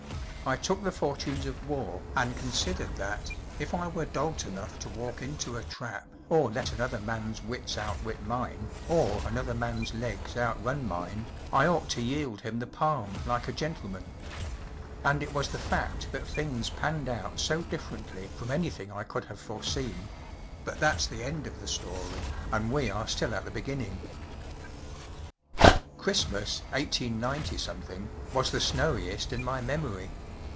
I took the fortunes of war and considered that, if I were dolt enough to walk into a trap or let another man’s wuts outwit mine, or another man’s legs outrun mine, I ought to yield him the palm like a gentleman. And it was the fact Digged by V lOOQlC that things panned out so differently from anything I could have foreseen‚ÄĒbut that’s the end of the story, and we are still at the beginning. Christmas, 189 ‚ÄĒ f was the snowiest in my memory.